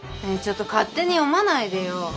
ねえちょっと勝手に読まないでよ。